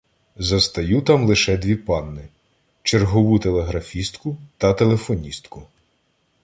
Застаю там лише дві панни: чергову телеграфістку та телефоністку.